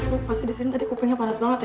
oh pasti disini tadi kupingnya panas banget ya